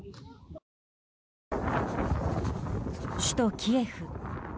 首都キエフ。